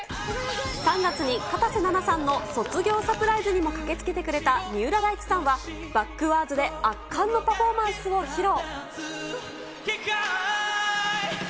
３月に片瀬那奈さんの卒業サプライズにも駆けつけてくれた三浦大知さんは、Ｂａｃｋｗａｒｄｓで圧巻のパフォーマンスを披露。